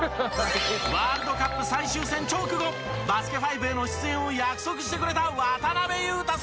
ワールドカップ最終戦直後『バスケ☆ＦＩＶＥ』への出演を約束してくれた渡邊雄太選手。